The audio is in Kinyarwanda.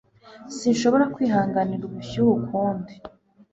Sinshobora kwihanganira ubushyuhe ukundi